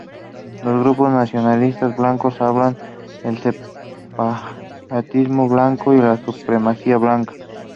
Los grupos nacionalistas blancos abrazan el separatismo blanco y la supremacía blanca.